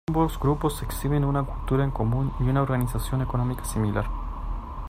Ambos grupos exhiben una cultura en común y una organización económica similar.